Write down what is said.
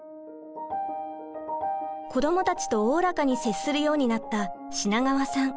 子どもたちとおおらかに接するようになった品川さん。